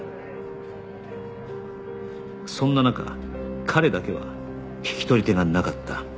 そんな中彼だけは引き取り手がなかった